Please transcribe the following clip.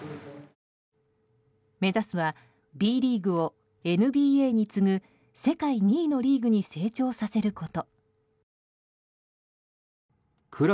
目指すはＢリーグをＮＢＡに次ぐ世界２位のリーグに成長させること。